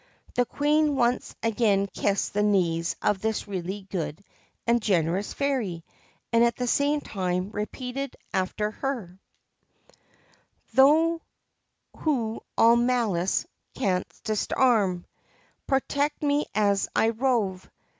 The Queen once again kissed the knees of this really good and generous fairy, and at the same time repeated after her :' Thou who all malice canst disarm, Protect me as I rove